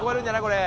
これ。